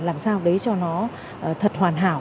làm sao đấy cho nó thật hoàn hảo